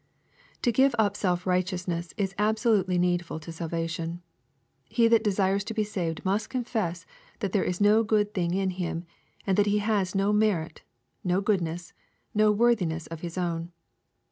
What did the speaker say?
To give up self righteousness is absolutely needful to salvation. He that desires to be saved must confess that there is no good thing in him, and that he has no merit, no goodness, no worthiness of his own.